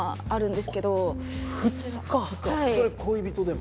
それ恋人でも？